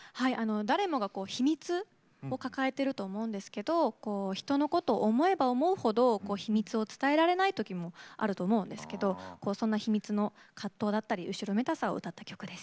誰もが秘密を抱えていると思うんですけど人のことを思えば思うほど秘密を伝えられないことあると思うんですけどそんな秘密の葛藤などを歌った曲です。